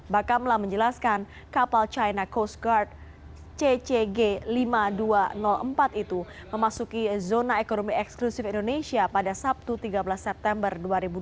bakamla menjelaskan kapal china coast guard ccg lima ribu dua ratus empat itu memasuki zona ekonomi eksklusif indonesia pada sabtu tiga belas september dua ribu dua puluh